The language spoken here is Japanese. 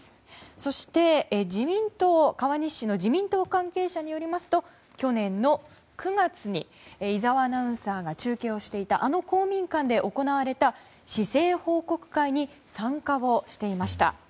そして川西市の自民党関係者によりますと去年の９月に井澤アナウンサーが中継をしていたあの公民館で行われた市政報告会に参加をしていました。